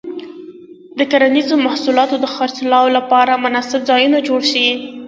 د کرنیزو محصولاتو د خرڅلاو لپاره مناسب ځایونه جوړ شي.